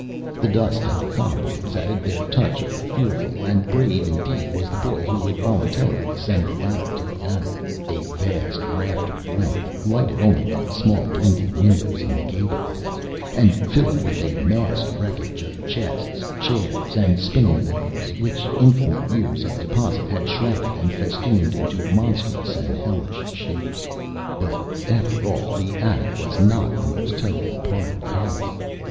The dust and cobwebs added their touch of the fearful; and brave indeed was the boy who would voluntarily ascend the ladder to the attic, a vast raftered length lighted only by small blinking windows in the gable ends, and filled with a massed wreckage of chests, chairs, and spinning wheels which infinite years of deposit had shrouded and festooned into monstrous and hellish shapes. But after all, the attic was not the most terrible part of the house.